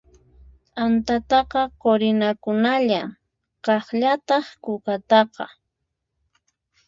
T'antataqa qurinakunalla, kaqllataq kukataqa.